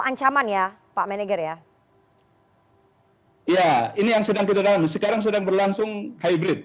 ancaman ya pak meneger ya ya ini yang sedang kita dalam sekarang sedang berlangsung hybrid